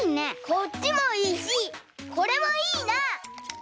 こっちもいいしこれもいいな。